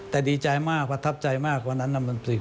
แต่ดีใจมากประทับใจมากว่านั้น